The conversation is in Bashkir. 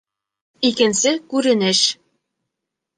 ИКЕНСЕ КҮРЕНЕШ